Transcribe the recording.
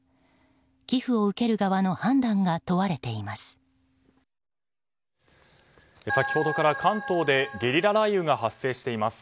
寄付を受ける側の判断が問われています。